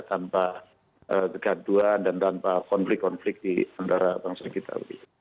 tanpa kegaduan dan tanpa konflik konflik di antara bangsa kita